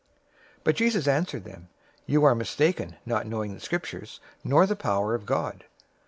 022:029 But Jesus answered them, "You are mistaken, not knowing the Scriptures, nor the power of God.